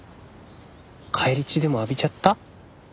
返り血でも浴びちゃった？